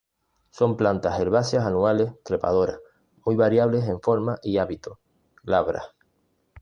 Son plantas herbáceas anuales, trepadoras, muy variables en forma y hábito, glabras.